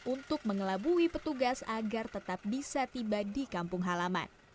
untuk mengelabui petugas agar tetap bisa tiba di kampung halaman